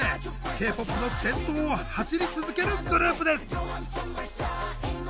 Ｋ−ＰＯＰの先頭を走り続けるグループです。